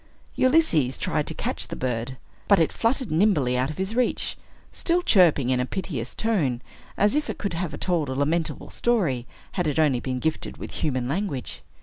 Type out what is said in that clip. Ulysses tried to catch the bird. But it fluttered nimbly out of his reach, still chirping in a piteous tone, as if it could have told a lamentable story, had it only been gifted with human language.